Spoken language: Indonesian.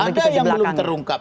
ada yang belum terungkap